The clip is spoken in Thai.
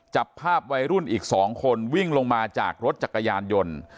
จับภาพวัยรุ่นอีก๒คนวิ่งลงมาจากรถจักรยานยนต์